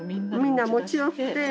みんな持ち寄って。